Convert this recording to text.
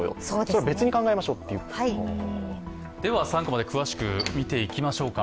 ３コマで詳しく見ていきましょうか。